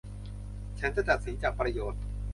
ฉันจะตัดสินจากประโยชน์